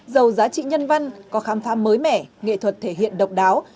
giàu giá trị nhân văn có khám phá mới mẻ nghệ thuật thể hiện độc đáo